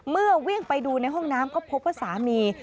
เมื่อเวี่ยงไปดูในห้องน้ำก็พบว่าสามี